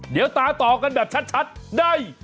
เดี๋ยวตามต่อกันแบบชัดได้